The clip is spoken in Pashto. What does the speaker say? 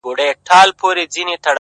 سترگي چي پټي كړي باڼه يې سره ورسي داسـي،